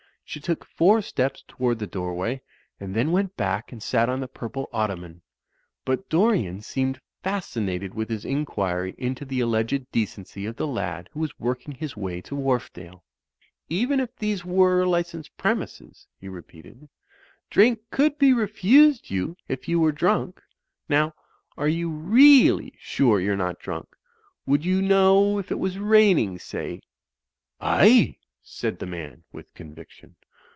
She took four steps toward the doorway, and then went back and sat on the pur ple ottoman. But Dorian seemed fascinated with his inquiry into the alleged decency of the lad who was working his way to Wharf dale. "Even if these were licensed premises," he repeated, "drink could be refused you if you were drunk. Now, are you really sure you're not drunk. Would you know if it was raining, say?" "Aye," said the man, with conviction.